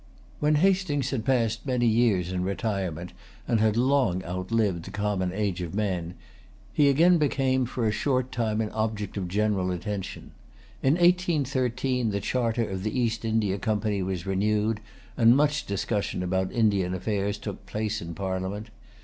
When Hastings had passed many years in retirement, and had long outlived the common age of men, he again became for a short time an object of general attention. In 1813 the charter of the East India Company was[Pg 240] renewed; and much discussion about Indian affairs took place in Parliament.